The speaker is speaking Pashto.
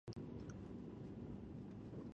اوسنی مالي وضعیت باید تحلیل شي.